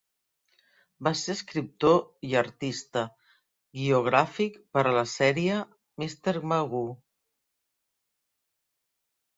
Va ser escriptor i artista guió gràfic per a la sèrie "Mr. Magoo".